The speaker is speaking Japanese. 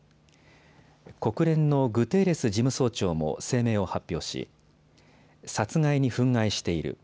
国連のグテーレス事務総長も声明を発表し、殺害に憤慨している。